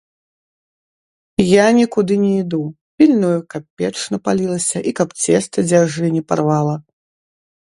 Я нікуды не іду, пільную, каб печ напалілася і каб цеста дзяжы не парвала.